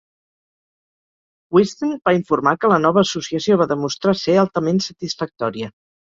"Wisden" va informar que la nova associació "va demostrar ser altament satisfactòria".